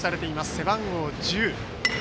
背番号１０。